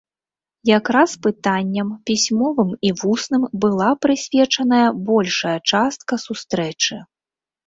Якраз пытанням, пісьмовым і вусным, была прысвечаная большая частка сустрэчы.